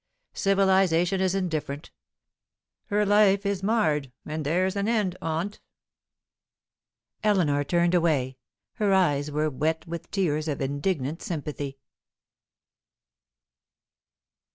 Civilization is indifferent. Her life is marred, and there's an end on't." Eleanor turned away. Her eyes were wet with tears of indignant sympathy.